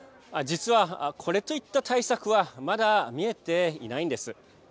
実はこれといった対策はまだ見えていないんです。